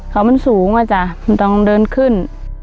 เขามันสูงอ่ะจ้ะมันต้องเดินขึ้น